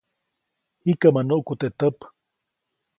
Jikäʼmä nuʼku teʼ täp.